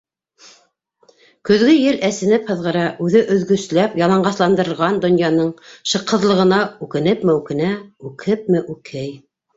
Көҙгө ел әсенеп һыҙғыра, үҙе өҙгөсләп яланғасландырған донъяның шыҡһыҙлығына үкенепме үкенә, үкһепме үкһей...